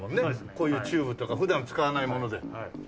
こういうチューブとか普段使わないもので。ねえ？